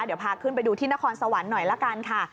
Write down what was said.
เดี๋ยวพาขึ้นไปดูที่นครสวรรค์หน่อยละกันค่ะ